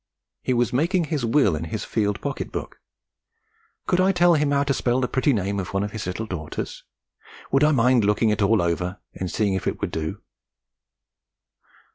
He was making his will in his field pocket book; could I tell him how to spell the pretty name of one of his little daughters? Would I mind looking it all over, and seeing if it would do?